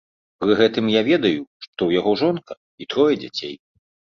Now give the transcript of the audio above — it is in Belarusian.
Пры гэтым я ведаю, што ў яго жонка і трое дзяцей.